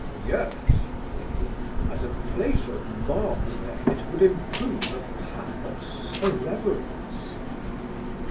'Yes (said he) as a plate of marmalade would improve a pan of sirreverence.